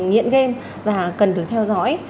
chứng tỏ là nghiện game và cần được theo dõi